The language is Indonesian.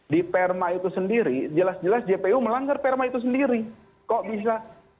di perma itu sendiri jelas jelas jpu melanggar perma itu sendiri kok bisa